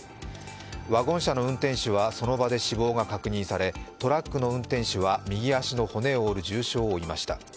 ワゴン車の運転手はその場で死亡が確認され、トラックの運転手は右足の骨を折る重傷を負いました。